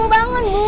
bu bangun bu